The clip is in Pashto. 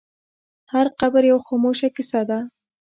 هر قبر یوه خاموشه کیسه ده.